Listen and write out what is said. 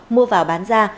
mua vào bán ra